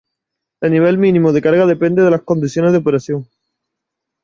El nivel mínimo de carga depende de las condiciones de operación.